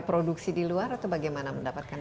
produksi di luar atau bagaimana mendapatkan